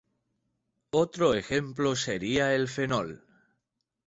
Otro ejemplo sería el fenol.